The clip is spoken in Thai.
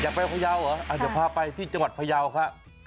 อยากไปพยาวเหรอผมจะไปที่จังหวัดพยาวค่ะ